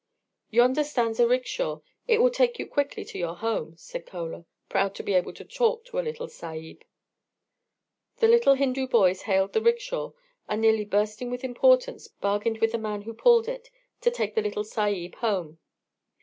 "Yonder stands a 'rickshaw.' It will take you quickly to your home," said Chola, proud to be able to talk to a little Sahib. The little Hindu boys hailed the "rickshaw," and, nearly bursting with importance, bargained with the man who pulled it to take the little Sahib home.